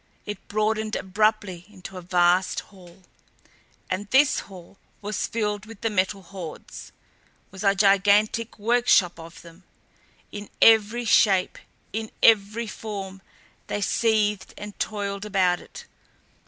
It broadened abruptly into a vast hall. And this hall was filled with the Metal Hordes was a gigantic workshop of them. In every shape, in every form, they seethed and toiled about it.